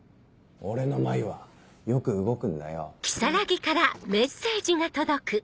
俺の眉はよく動くんだよ。